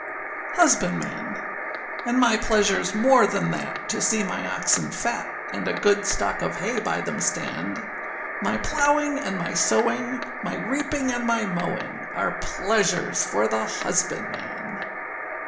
HUSBANDMAN. And my pleasureâs more than that, to see my oxen fat, And a good stock of hay by them stand; My plowing and my sowing, my reaping and my mowing, Are pleasures for the husbandman.